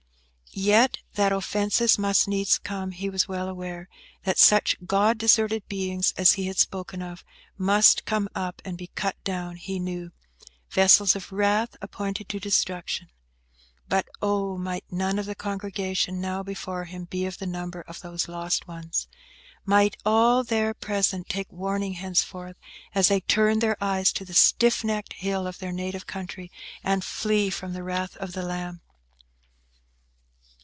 Yet, that "offences must needs come," he was well aware; that such God deserted beings as he had spoken of, must come up and be cut down, he knew: "vessels of wrath appointed to destruction." But, oh! might none of the congregation now before him be of the number of those lost ones! Might all there present take warning henceforth, as they turned their eyes to the stiff necked hill of their native country, and flee from the wrath of the Lamb!